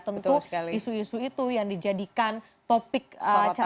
tentu isu isu itu yang dijadikan topik cara